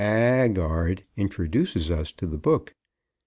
Aagaard_ introduces us to the book.